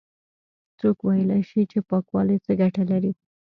څوک ويلاى شي چې پاکوالی څه گټې لري؟